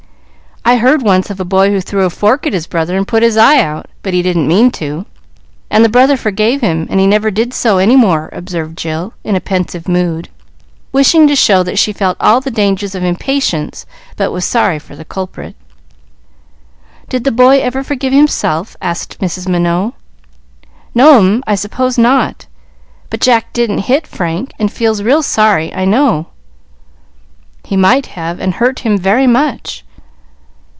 "I heard once of a boy who threw a fork at his brother and put his eye out. But he didn't mean to, and the brother forgave him, and he never did so any more," observed Jill, in a pensive tone, wishing to show that she felt all the dangers of impatience, but was sorry for the culprit. "Did the boy ever forgive himself?" asked Mrs. Minot. "No, 'm; I suppose not. But Jack didn't hit Frank, and feels real sorry, I know." "He might have, and hurt him very much.